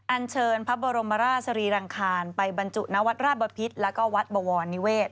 อันเชิญพระบรมราชสรีรังคารไปบรรจุณวัดราชบพิษแล้วก็วัดบวรนิเวศ